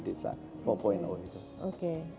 desa empat itu oke